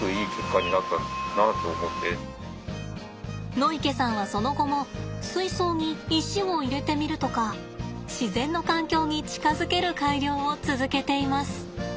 野池さんはその後も水槽に石を入れてみるとか自然の環境に近づける改良を続けています。